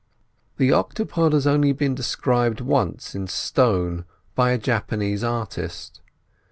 The octopod has only been described once, in stone, by a Japanese artist.